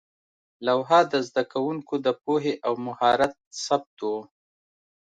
لوحه د زده کوونکو د پوهې او مهارت ثبت وه.